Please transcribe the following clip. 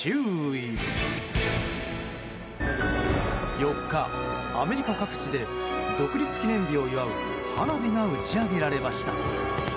４日、アメリカ各地で独立記念日を祝う花火が打ち上げられました。